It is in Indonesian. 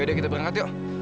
yaudah kita berangkat yuk